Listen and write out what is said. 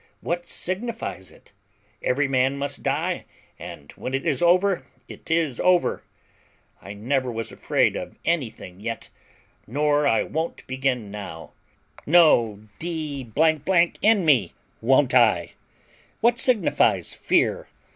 what signifies it? Every man must die, and when it is over it is over. I never was afraid of anything yet, nor I won't begin now; no, d n me, won't I. What signifies fear?